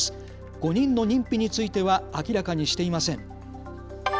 ５人の認否については明らかにしていません。